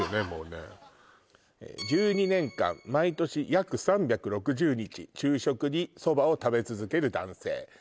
もうね１２年間毎年約３６０日昼食に蕎麦を食べ続ける男性